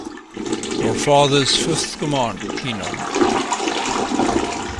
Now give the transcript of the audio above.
Your father's fifth command, he nodded.